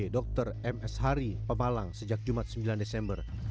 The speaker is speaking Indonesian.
dr m s hari pemalang sejak jumat sembilan desember